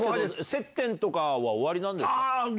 接点とかはおありなんですか。